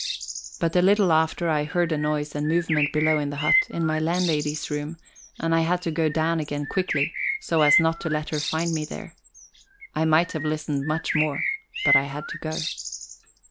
But a little after, I heard a noise and movement below in the hut, in my landlady's room; and I had to go down again quickly, so as not to let her find me there. I might have listened much more, but I had to go.